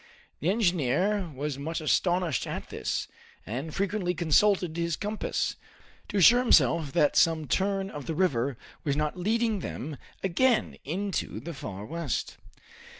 The engineer was much astonished at this, and frequently consulted his compass, to assure himself that some turn of the river was not leading them again into the Far West.